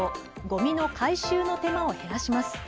ごみの回収の手間を減らします。